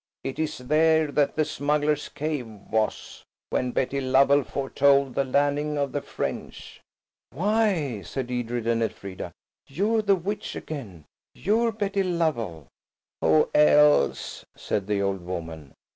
It is there that the smugglers' cave was, when Betty Lovell foretold the landing of the French." "Why," said Edred and Elfrida, "you're the witch again! You're Betty Lovell!" "Who else?" said the old woman.